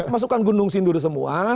masukkan gunung sindur semua